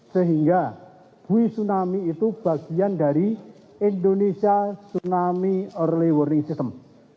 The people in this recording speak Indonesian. sehingga bui tsunami itu bagian dari indonesia tsunami early warning system